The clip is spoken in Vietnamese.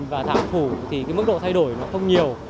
và thảo thủ thì cái mức độ thay đổi nó không nhiều